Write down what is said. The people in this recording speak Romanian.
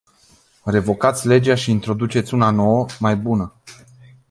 Revocați legea și introduceți una nouă, mai bună.